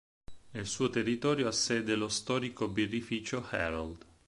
Nel suo territorio ha sede lo storico birrificio Herold.